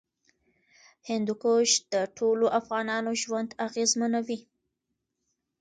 هندوکش د ټولو افغانانو ژوند اغېزمنوي.